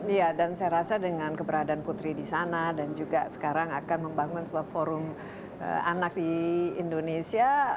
iya dan saya rasa dengan keberadaan putri di sana dan juga sekarang akan membangun sebuah forum anak di indonesia